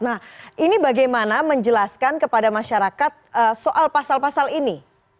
nah ini bagaimana menjelaskan kepada masyarakat soal pasal pasal ini